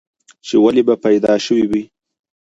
چې ولې به پيدا شوی وې؟